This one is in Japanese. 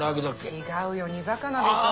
違うよ煮魚でしょ。